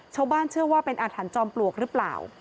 ชาวบ้านเชื่อว่าเป็นอัฐรรณจอมปลวกหรือเปล่า